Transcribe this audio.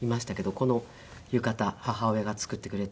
この浴衣母親が作ってくれた。